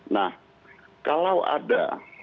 nah kalau ada